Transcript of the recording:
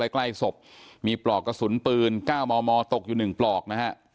ใกล้ศพมีปลอกกระสุนปืน๙มมตกอยู่๑ปลอกนะฮะ